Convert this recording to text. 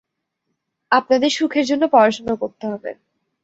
আপনাদের সুখের জন্য পড়াশোনা করতে হবে।